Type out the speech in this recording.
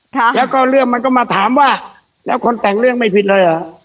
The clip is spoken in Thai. ค่ะแล้วก็เรื่องมันก็มาถามว่าแล้วคนแต่งเรื่องไม่ผิดเลยเหรอ